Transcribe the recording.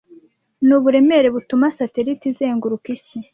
Nuburemere butuma satelite izenguruka isi.